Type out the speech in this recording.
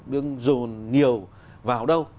đừng dồn nhiều vào đâu